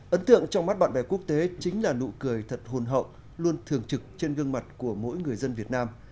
ấn tượng trong mắt bạn bè quốc tế chính là nụ cười thật hồn hậu luôn thường trực trên gương mặt của mỗi người dân việt nam